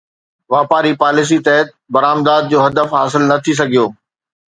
واپاري پاليسي تحت برآمدات جو هدف حاصل نه ٿي سگهيو